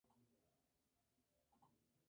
Han firmado con Warner Bros.